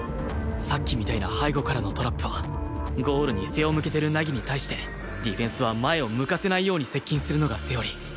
さっきみたいな背後からのトラップはゴールに背を向けてる凪に対してディフェンスは前を向かせないように接近するのがセオリー